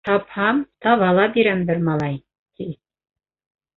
Тапһам, таба ла бирәм бер малай, ти.